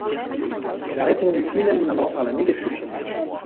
Elle a répondu unanimement par la négative.